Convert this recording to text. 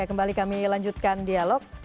kembali kami lanjutkan dialog